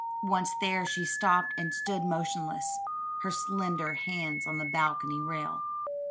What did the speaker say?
Once there she stopped and stood motionless, her slender hands on the balcony rail.